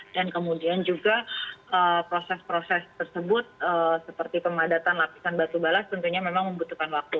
dan kemudian juga proses proses tersebut seperti pemadatan lapisan batu balas tentunya memang membutuhkan waktu